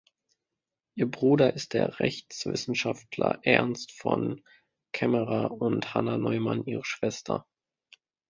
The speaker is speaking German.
Ihr Bruder ist der Rechtswissenschaftler Ernst von Caemmerer und Hanna Neumann ihre Schwester.